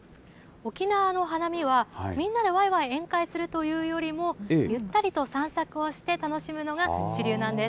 沖縄の花見は、みんなでわいわい宴会するというよりも、ゆったりと散策をして楽しむのが主流なんです。